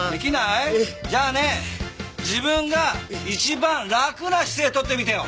じゃあね自分が一番楽な姿勢を取ってみてよ。